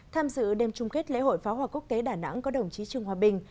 tham dự đêm chung kết lễ hội pháo hoa quốc tế đà nẵng có đồng chí trương hòa bình